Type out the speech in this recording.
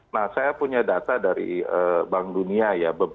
nah saya punya data dari bank dunia ya